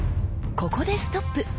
ここでストップ！